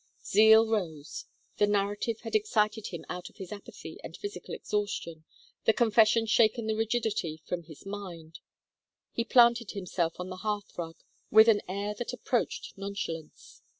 Zeal rose. The narrative had excited him out of his apathy and physical exhaustion, the confession shaken the rigidity from his mind. He planted himself on the hearth rug with an air that approached nonchalance.